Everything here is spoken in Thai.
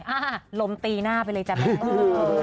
อ่าลมตีหน้าไปเลยจ๊ะแม่